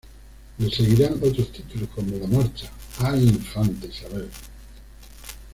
Le seguirían otros títulos como la marcha "¡Ay, infanta Isabel!